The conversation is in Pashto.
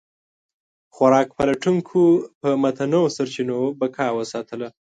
خوراک پلټونکو په متنوع سرچینو بقا وساتله.